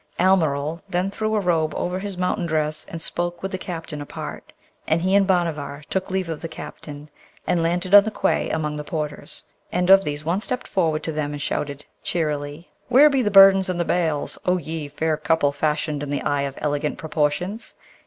Almeryl then threw a robe over his mountain dress and spoke with the captain apart, and he and Bhanavar took leave of the captain, and landed on the quay among the porters, and of these one stepped forward to them and shouted cheerily, 'Where be the burdens and the bales, O ye, fair couple fashioned in the eye of elegant proportions?